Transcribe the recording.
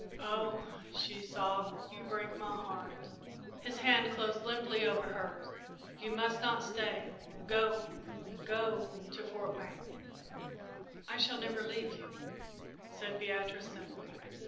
"Oh," she sobbed, "you break my heart!" His hand closed limply over hers. "You must not stay go go to Fort Wayne!" "I shall never leave you," said Beatrice, simply.